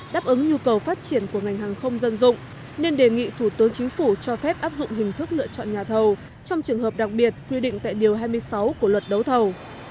đáp ứng nhu cầu phát triển của ngành hàng không dân dụng nên đề nghị thủ tướng chính phủ cho phép áp dụng hình thức lựa chọn nhà thầu trong trường hợp đặc biệt quy định tại điều hai mươi sáu của luật đấu thầu